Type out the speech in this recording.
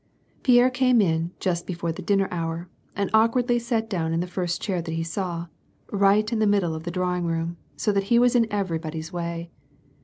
Pierre came in just before the dinner hour, and awkwardly sat down in the first chair that he saw, right in the middle of the drawing room, so that he was in everyl)ody's way.